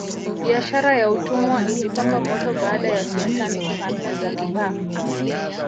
biashara ya utumwa ilipamba moto baada ya sultani kuhamia zanzibar